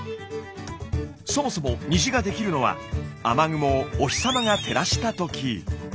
そもそも虹ができるのは雨雲をお日さまが照らしたとき。